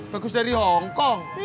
bagus dari hongkong